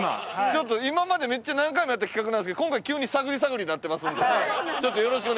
ちょっと今までめっちゃ何回もやった企画なんですけど今回急に探り探りになってますんでちょっとよろしくお願いします